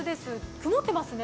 曇ってますね。